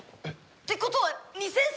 ってことは２０００歳！？